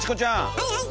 はいはい！